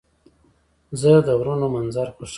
زه د غرونو منظر خوښوم.